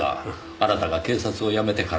あなたが警察を辞めてから。